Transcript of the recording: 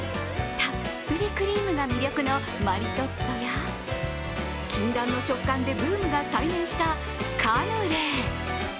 たっぷりクリームが魅力のマリトッツォや禁断の食感でブームが再燃したカヌレ。